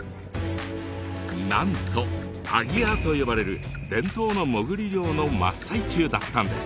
なんと「アギヤー」と呼ばれる伝統の潜り漁の真っ最中だったんです。